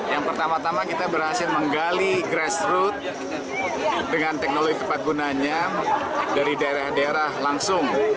yang pertama tama kita berhasil menggali grassroot dengan teknologi tepat gunanya dari daerah daerah langsung